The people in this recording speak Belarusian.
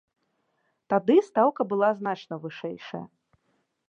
Тады стаўка была значна вышэйшая.